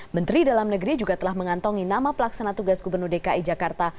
menteri dalam negeri juga telah mengantongi nama pelaksana tugas gubernur dki jakarta